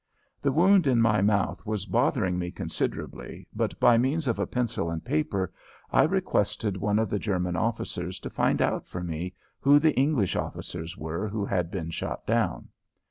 The wound in my mouth was bothering me considerably, but by means of a pencil and paper I requested one of the German officers to find out for me who the English officers were who had been shot down.